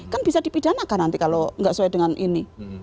kan bisa dipidanakan nanti kalau nggak sesuai dengan ini